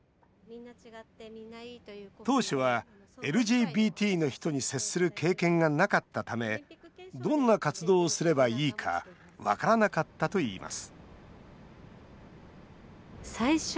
当初は、ＬＧＢＴの人に接する経験がなかったためどんな活動をすればいいか分からなかったといいます